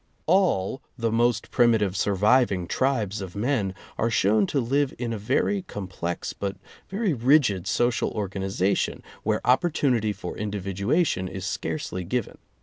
All the most primitive surviving tribes of men are shown to live in a very complex but very rigid social organization where opportunity for individuation is scarcely given.